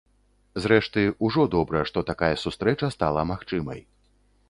Зрэшты, ужо добра, што такая сустрэча стала магчымай.